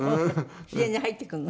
自然に入ってくるの？